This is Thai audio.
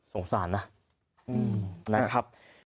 สงสารนะนะครับ